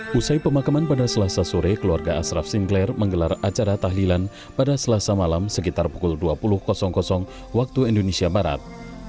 pusai pemakaman pada selasa sore keluarga asraf sinclair menggelar acara tahlilan pada selasa malam sekitar pukul dua puluh waktu indonesia barat